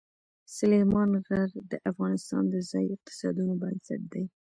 سلیمان غر د افغانستان د ځایي اقتصادونو بنسټ دی.